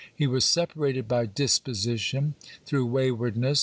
He was separated by disposition, through waywardness.